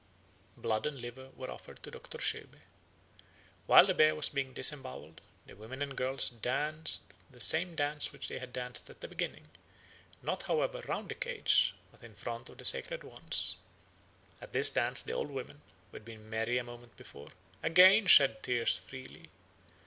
Blood and liver were offered to Dr. Scheube. While the bear was being disembowelled, the women and girls danced the same dance which they had danced at the beginning not, however, round the cage, but in front of the sacred wands. At this dance the old women, who had been merry a moment before, again shed tears freely.